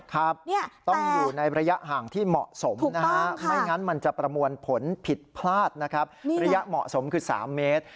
ครับต้องอยู่ในระยะห่างที่เหมาะสมนะฮะไม่งั้นมันจะประมวลผลผิดพลาดนะครับระยะเหมาะสมคือ๓เมตร